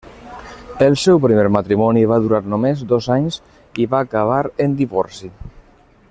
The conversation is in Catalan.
El seu primer matrimoni va durar només dos anys i va acabar en divorci.